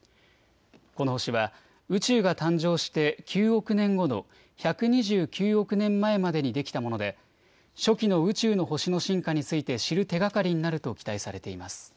この星は宇宙が誕生して９億年後の１２９億年前までにできたもので初期の宇宙の星の進化について知る手がかりになると期待されています。